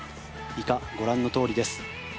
以下、ご覧のとおりです。